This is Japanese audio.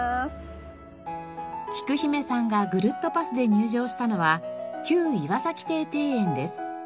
きく姫さんがぐるっとパスで入場したのは旧岩崎邸庭園です。